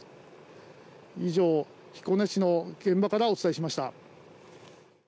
以上、彦根市の現場からお伝えしました。